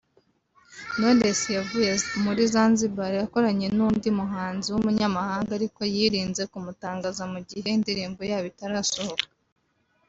Knowless yanavuye muri Zanzibar akoranye n’undi muhanzi w’umunyamahanga ariko yirinze kumutangaza mu gihe indirimbo yabo itarasohoka